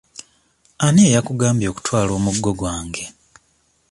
Ani eyakugambye okutwala omuggo gwange?